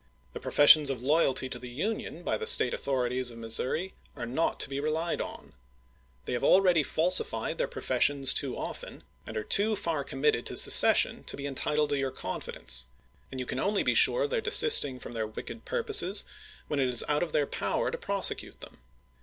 .. The professions of loyalty to the Union by the State authori ties of Missouri are not to be relied upon. They have already falsified their professions too often, and are too far committed to secession, to be entitled to your confi dence, and you can only be sure of their desisting from their wicked purposes when it is out of their power to prosecute them.